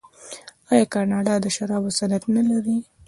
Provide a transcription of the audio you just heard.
آیا کاناډا د شرابو صنعت نلري؟